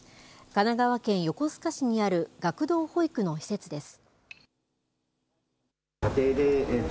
神奈川県横須賀市にある学童保育の施設です。